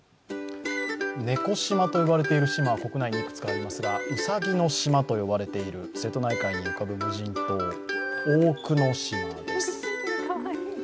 猫島と呼ばれている島は国内にいくつかありますが、うさぎの島と呼ばれている、瀬戸内海に浮かぶ無人島、大久野島です。